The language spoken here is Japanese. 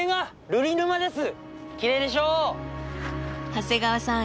長谷川さん